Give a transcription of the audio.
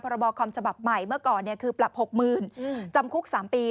บคอมฉบับใหม่เมื่อก่อนคือปรับ๖๐๐๐จำคุก๓ปี